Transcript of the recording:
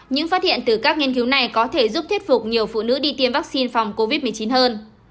những phát hiện từ các nghiên cứu này có thể giúp thuyết phục nhiều phụ nữ đi tiêm vaccine phòng covid một mươi chín hơn